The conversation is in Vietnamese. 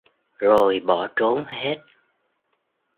Rồi bỏ trốn hết